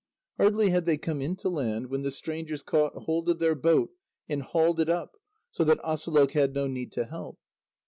Hardly had they come into land when the strangers caught hold of their boat, and hauled it up, so that Asalôq had no need to help.